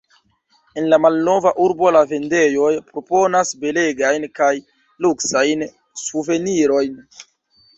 En la malnova urbo la vendejoj proponas belegajn kaj luksajn suvenirojn.